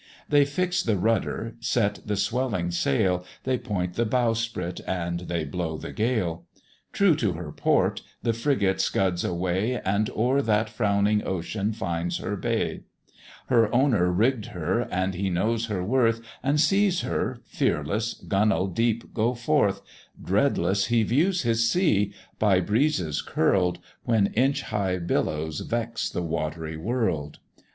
They fix the rudder, set the swelling sail, They point the bowsprit, and they blow the gale: True to her port, the frigate scuds away, And o'er that frowning ocean finds her bay: Her owner rigg'd her, and he knows her worth, And sees her, fearless, gunwale deep go forth; Dreadless he views his sea, by breezes curl'd, When inch high billows vex the watery world.